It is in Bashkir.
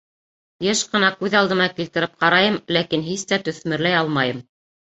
Йыш ҡына күҙ алдыма килтереп ҡарайым, ләкин һис тә төҫмөрләй алмайым.